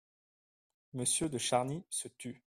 Monsieur de Charny se tut.